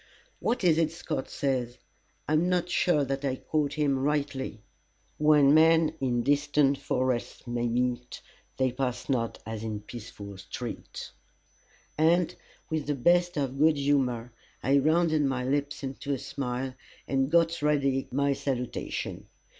What is it Scott says I am not sure that I quote him rightly "When men in distant forests meet, They pass not as in peaceful street." And, with the best of good humour, I rounded my lips into a smile, and got ready my salutation.